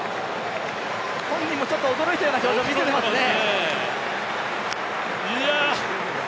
本人もちょっと驚いたような表情を見せていますね。